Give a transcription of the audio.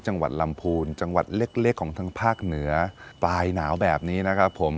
จังหวัดลำพูนจังหวัดเล็กเล็กของทางภาคเหนือปลายหนาวแบบนี้นะครับผม